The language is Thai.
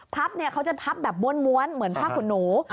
พับเนี่ยเขาจะพับแบบม้วนเหมือนภาคหนู